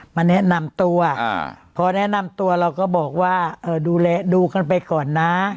มาแนะนำตัวพอแนะนำตัวเราก็บอกว่าดูแลดูกันไปก่อนนะ